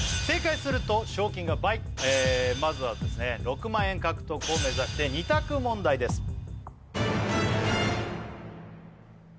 正解すると賞金が倍まずは６万円獲得を目指して２択問題です